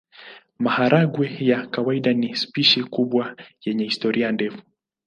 Maharagwe ya kawaida ni spishi kubwa yenye historia ndefu.